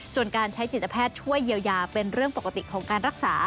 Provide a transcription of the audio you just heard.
ส่วนการใช้จิตแพทย์ช่วยเยียวยาเป็นเรื่องปกติของการรักษา